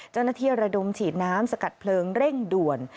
เจ้าหน้าที่ระดมฉีดน้ำสกัดเพลิงเร่งด่วน